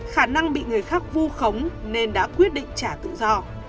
khả năng bị người khác vu khống nên đã quyết định trả tự do